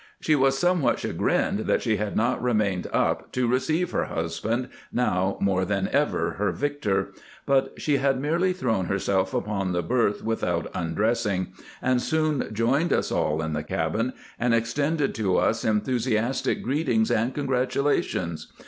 She was somewhat chagrined that she had not remained up to receive her husband, now more than ever her " Victor "; but she had merely thrown herself upon the berth with out undressing, and soon joined us aU in the cabin, and extended to us enthusiastic greetings and congratula tions.